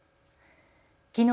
きのう